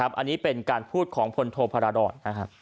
อันนี้เป็นการพูดของพลโทพาราดร